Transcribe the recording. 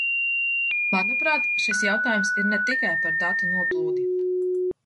Manuprāt, šis jautājums ir ne tikai par datu noplūdi.